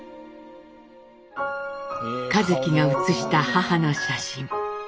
一輝が写した母の写真。